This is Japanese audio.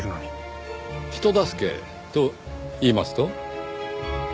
人助けといいますと？